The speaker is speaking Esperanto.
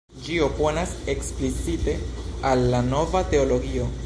Ĝi oponas eksplicite al la Nova Teologio.